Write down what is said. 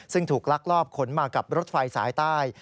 ซึ่งถูกลักลอบขนมากับรถไฟสายใต้